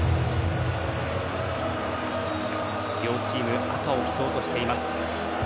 両チーム、赤を基調としています。